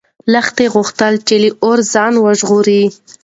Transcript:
لښتې غوښتل چې له اوره ځان وژغوري.